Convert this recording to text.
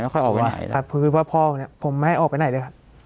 กลับพื้นพ่อเนี่ยผมไม่ให้ออกไปไหนเลยครับ